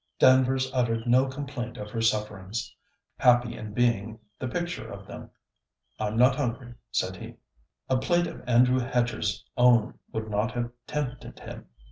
Danvers uttered no complaint of her sufferings; happy in being the picture of them. 'I'm not hungry,' said he. A plate of Andrew Hedger's own would not have tempted him.